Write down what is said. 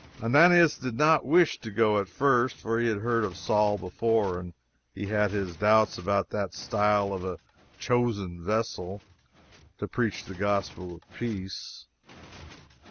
Ananias did not wish to go at first, for he had heard of Saul before, and he had his doubts about that style of a "chosen vessel" to preach the gospel of peace.